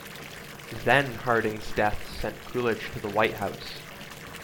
Then Harding's death sent Coolidge to the White House.